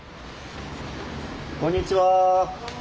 こんにちは。